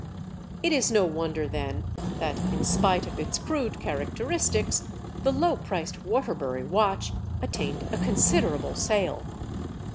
It is no wonder then that, in spite of its crude characteristics, the low priced Waterbury watch attained a considerable sale.